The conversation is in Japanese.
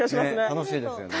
楽しいですよね。